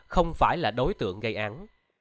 không phải là đối tượng gây án